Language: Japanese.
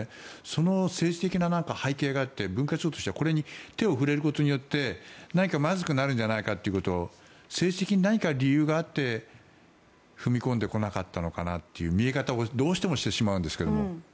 その政治的な背景があって文化庁としてはこれに手を触れることによって何かまずくなるんじゃないかと政治的に何か理由があって踏み込んでこなかったのかなという見え方をどうしてもしてしまうんですが。